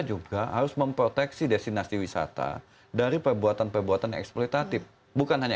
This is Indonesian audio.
juga harus memproteksi destinasi wisata dari perbuatan perbuatan eksploitatif bukan hanya